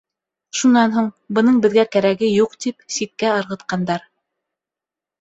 Шунан һуң, бының беҙгә кәрәге юҡ тип, ситкә ырғытҡандар.